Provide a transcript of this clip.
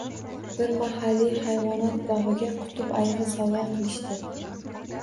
Bir mahalliy hayvonot bogʻiga qutb ayigʻi sovgʻa qilishdi